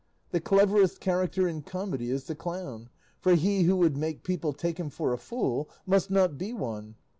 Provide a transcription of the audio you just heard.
The cleverest character in comedy is the clown, for he who would make people take him for a fool, must not be one.